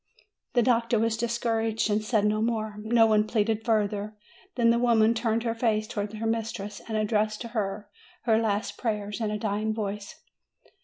The doctor was discouraged and said no more. No one pleaded further. Then the woman turned her face towards her mistress, and addressed to her her last prayers in a dying voice.